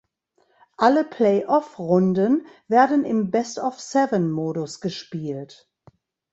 Alle Play-off-Runden werden im Best-of-Seven-Modus gespielt.